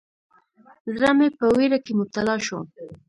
زړه مې په ویره کې مبتلا شو.